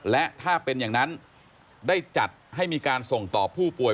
และถ้าเป็นอย่างนั้นได้จัดให้มีการส่งต่อผู้ป่วย